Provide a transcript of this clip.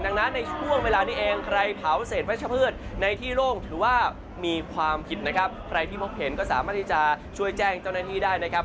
ดังนั้นในช่วงเวลานี้เองใครเผาเศษวัชพืชในที่โล่งถือว่ามีความผิดนะครับใครที่พบเห็นก็สามารถที่จะช่วยแจ้งเจ้าหน้าที่ได้นะครับ